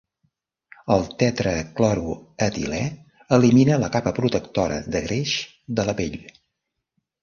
El tetracloroetilè elimina la capa protectora de greix de la pell.